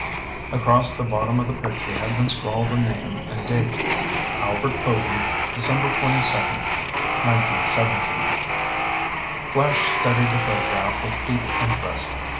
Across the bottom of the picture had been scrawled a name and date: "Albert Povy ... December 22, 1917." Flash studied the photograph with deep interest.